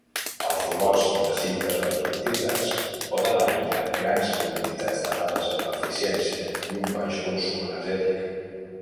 Els robots de cintes automatitzats poden aïllar grans quantitats de dades amb eficiència i un baix consum energètic.